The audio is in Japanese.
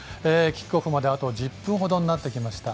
キックオフまであと１０分ほどになってきました。